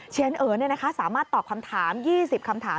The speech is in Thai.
เอ๋สามารถตอบคำถาม๒๐คำถาม